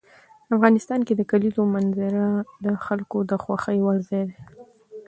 افغانستان کې د کلیزو منظره د خلکو د خوښې وړ ځای دی.